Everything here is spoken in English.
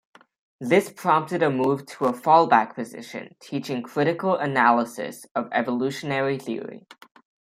This prompted a move to a fallback position, teaching "critical analysis" of evolutionary theory.